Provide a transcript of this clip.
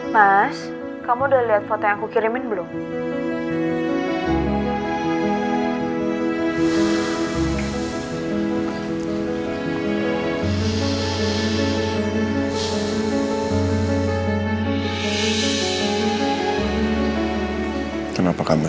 padahal dia juga nggak balas